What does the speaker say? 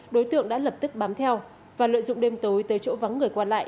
đối tượng đã lập tức bám theo và lợi dụng đêm tối tới chỗ vắng người qua lại